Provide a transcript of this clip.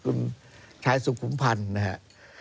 คุณชายสุขุมพันธ์นะครับ